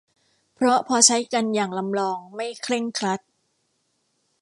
เพราะพอใช้กันอย่างลำลองไม่เคร่งครัด